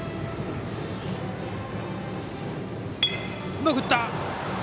うまく打った！